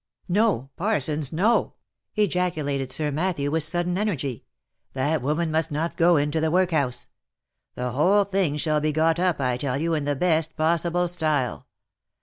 " No ! Parsons, no ! ejaculated Sir Matthew with sudden energy. That woman must not go into the workhouse. The whole thing shall be got up, I tell you, in the best possible style.